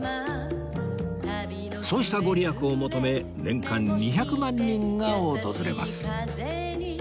そうした御利益を求め年間２００万人が訪れます